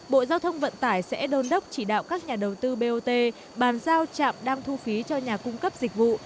bộ giao thông vận tải sẽ đôn đốc chỉ đạo các nhà đầu tư bot bàn giao trạm đăng thu phí cho nhà cung cấp dịch vụ